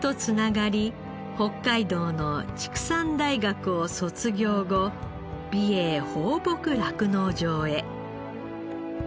北海道の畜産大学を卒業後美瑛放牧酪農場へ。